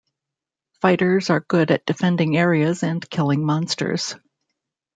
Fighters are good at defending areas and killing monsters.